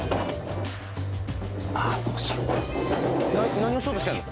ああーどうしよう何をしようとしてんの？